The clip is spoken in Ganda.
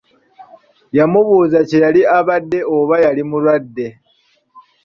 Yamubuuza kye yali abadde oba yali mulwadde.